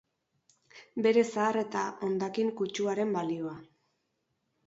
Bere zahar eta hondakin kutsuaren balioa.